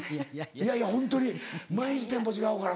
いやいやホントに毎日テンポ違うから。